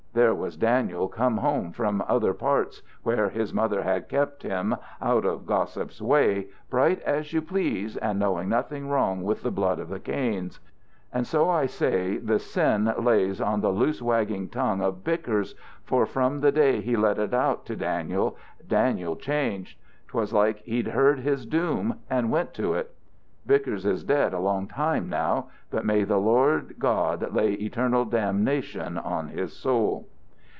There was Daniel come home from other parts where his mother had kept him, out of gossip's way, bright as you please and knowing nothing wrong with the blood of the Kains. And so I say the sin lays on the loose wagging tongue of Bickers, for from the day he let it out to Daniel, Daniel changed. 'Twas like he'd heard his doom, and went to it. Bickers is dead a long time now, but may the Lord God lay eternal damnation on his soul!"